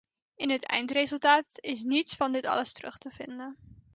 In het eindresultaat is niets van dit alles terug te vinden.